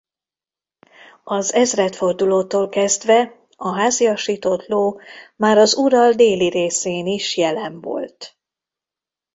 Az ezredfordulótól kezdve a háziasított ló már az Ural déli részén is jelen volt.